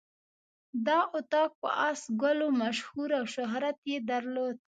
دا اطاق په آس ګلو مشهور او شهرت یې درلود.